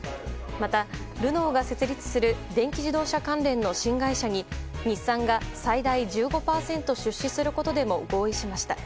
またルノーが設立する電気自動車関連の新会社に日産が最大１５％出資することでも合意しました。